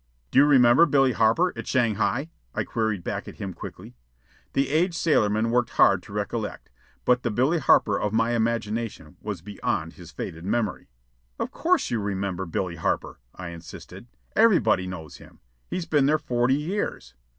"Do you remember Billy Harper, at Shanghai?" I queried back at him quickly. That aged sailorman worked hard to recollect, but the Billy Harper of my imagination was beyond his faded memory. "Of course you remember Billy Harper," I insisted. "Everybody knows him. He's been there forty years.